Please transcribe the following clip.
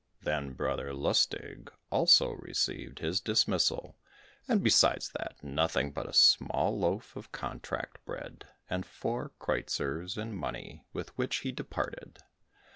Then Brother Lustig also received his dismissal, and besides that, nothing but a small loaf of contract bread, and four kreuzers in money, with which he departed.